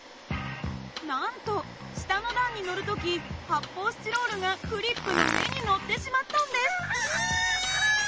なんと下の段にのる時発泡スチロールがクリップの上にのってしまったんです。